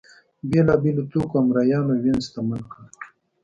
بېلابېلو توکو او مریانو وینز شتمن کړ.